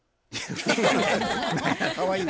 かわいい。